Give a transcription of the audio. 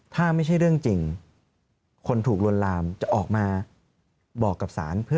ถ้าไม่ใช่เรื่องจริงคนถูกลวนลามจะออกมาบอกกับศาล